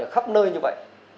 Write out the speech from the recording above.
ở khắp nơi như vậy